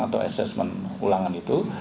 atau assessment ulangan itu